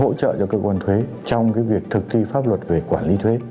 hỗ trợ cho cơ quan thuế trong việc thực thi pháp luật về quản lý thuế